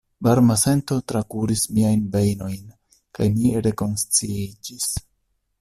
Varma sento trakuris miajn vejnojn kaj mi rekonsciiĝis.